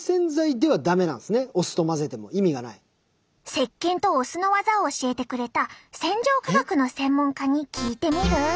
せっけんとお酢の技を教えてくれた洗浄科学の専門家に聞いてみる？